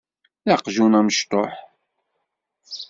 D aqjun amecṭuḥ.